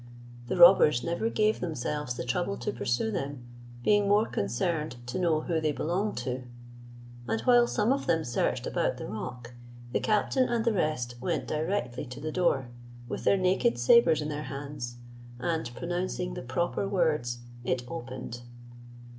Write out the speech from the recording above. The robbers never gave themselves the trouble to pursue them, being more concerned to know who they belonged to. And while some of them searched about the rock, the captain and the rest went directly to the door, with their naked sabres in their hands, and pronouncing the proper words, it opened.